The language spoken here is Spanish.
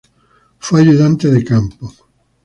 Fue ayudante de campo.